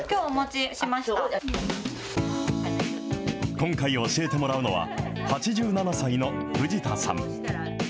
今回教えてもらうのは、８７歳の藤田さん。